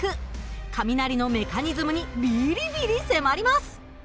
雷のメカニズムにビリビリ迫ります。